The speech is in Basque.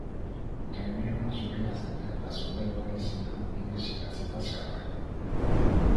Trainerua zuria zen eta Zuberoa izena urdinez idatzita zegoen.